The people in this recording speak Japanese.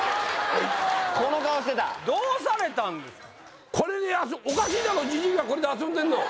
この顔してたどうされたんですか？